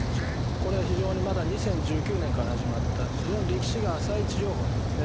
これはまだ２０１９年から始まった非常に歴史が浅い治療法なんですね。